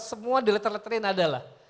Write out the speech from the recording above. semua dileter letterin ada lah